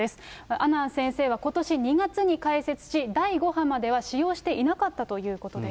阿南先生は、ことし２月に開設し、第５波までは使用していなかったということです。